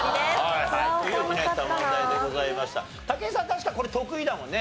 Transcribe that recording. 確かこれ得意だもんね